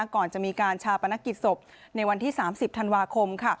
ก่อนจะมีการชาปนกิจศพในวันที่๓๐ธันวาคม